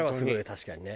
確かにね。